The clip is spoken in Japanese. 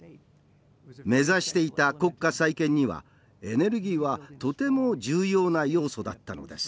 目指していた国家再建にはエネルギーはとても重要な要素だったのです。